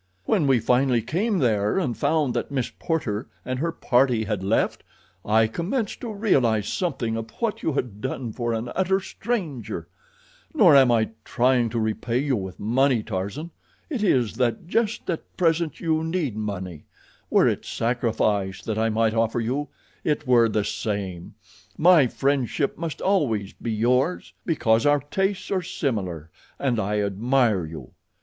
"When we finally came there, and found that Miss Porter and her party had left, I commenced to realize something of what you had done for an utter stranger. Nor am I trying to repay you with money, Tarzan. It is that just at present you need money; were it sacrifice that I might offer you it were the same—my friendship must always be yours, because our tastes are similar, and I admire you.